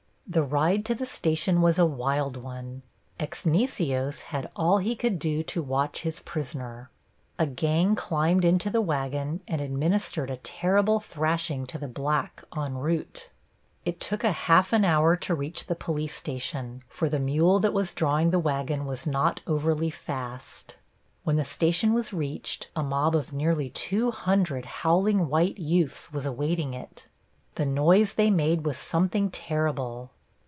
The ride to the station was a wild one. Exnicios had all he could do to watch his prisoner. A gang climbed into the wagon and administered a terrible thrashing to the black en route. It took a half hour to reach the police station, for the mule that was drawing the wagon was not overly fast. When the station was reached a mob of nearly 200 howling white youths was awaiting it. The noise they made was something terrible.